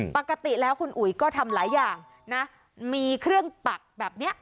ปกติแล้วคุณอุ๋ยก็ทำหลายอย่างนะมีเครื่องปักแบบนี้